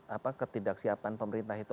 apa ketidaksiapan pemerintah itu